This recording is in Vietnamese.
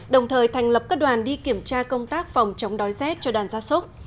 đồng thời thành lập các đoàn đi kiểm tra công tác phòng chống đói rét cho đoàn gia súc